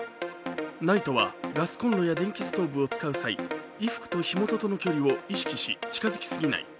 ＮＩＴＥはガスコンロや電気ストーブを使う際、衣服と火元との距離を意識し近づきすぎない。